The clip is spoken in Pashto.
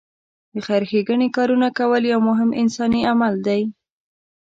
د خېر ښېګڼې کارونه کول یو مهم انساني عمل دی.